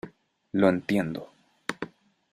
lo entiendo.